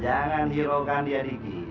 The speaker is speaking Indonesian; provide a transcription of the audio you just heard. jangan dihiraukan dia dikit